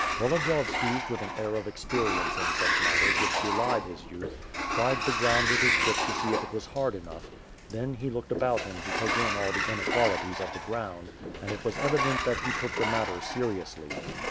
Volodiyovski, with an air of experience in such matters which belied his youth, tried the ground with his foot to see if it was hard enough; then, he looked about him to take in all the inequalities of the ground, and it was evident that he took the matter seriously.